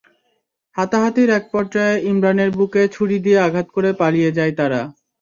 হাতাহাতির একপর্যায়ে ইমরানের বুকে ছুরি দিয়ে আঘাত করে পালিয়ে যায় তারা।